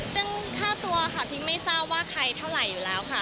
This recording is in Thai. ซึ่งค่าตัวค่ะพิ้งไม่ทราบว่าใครเท่าไหร่อยู่แล้วค่ะ